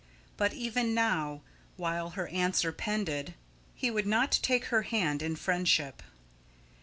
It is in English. But even now, while her answer pended, he would not take her hand in friendship.